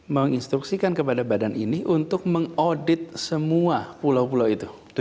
menginstruksikan kepada badan ini untuk mengaudit semua pulau pulau itu